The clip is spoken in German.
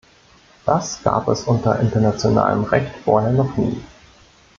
Das gab es unter internationalem Recht vorher noch nie.